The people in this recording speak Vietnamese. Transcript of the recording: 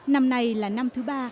năm này là năm thứ ba